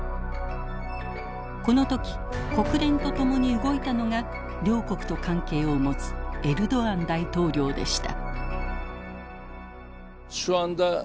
この時国連と共に動いたのが両国と関係を持つエルドアン大統領でした。